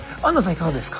いかがですか。